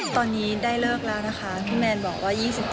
ตอนนี้ได้เลิกแล้วนะคะพี่แมนบอกว่า๒๗